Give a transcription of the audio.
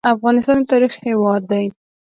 افغانستان د تاریخ هیواد دی